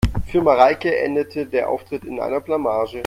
Für Mareike endete der Auftritt in einer Blamage.